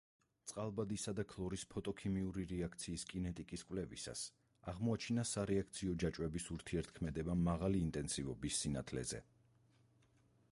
წყალბადისა და ქლორის ფოტოქიმიური რეაქციის კინეტიკის კვლევისას აღმოაჩინა სარეაქციო ჯაჭვების ურთიერთქმედება მაღალი ინტენსივობის სინათლეზე.